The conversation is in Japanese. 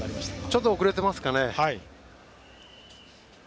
ちょっと遅れてますかね。